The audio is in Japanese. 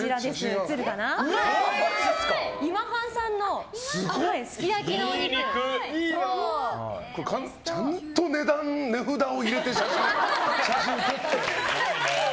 今半さんの、すき焼きのお肉。ちゃんと値段、値札を入れて写真撮って。